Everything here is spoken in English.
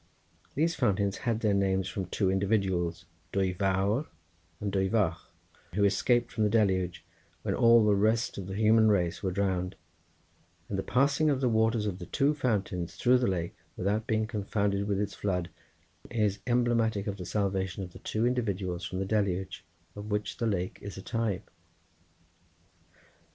These fountains had their names from two individuals, Dwy Fawr and Dwy Fach, who escaped from the Deluge, when all the rest of the human race were drowned, and the passing of the waters of the two fountains through the lake, without being confounded with its flood, is emblematic of the salvation of the two individuals from the Deluge, of which the lake is a type.